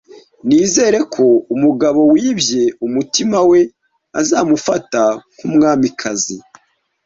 Nizere ko umugabo wibye umutima we, azamufata nkumwamikazi.